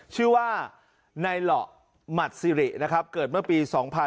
ชื่อว่าในเหล่าหมัดซิรินะครับเกิดเมื่อปี๒๕๕๙